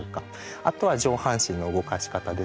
あとは上半身の動かし方ですね。